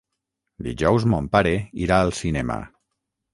Dijous mon pare irà al cinema.